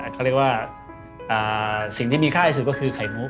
เขาเรียกว่าสิ่งที่มีค่าที่สุดก็คือไข่มุก